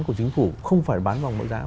của chính phủ không phải bán vòng mọi giá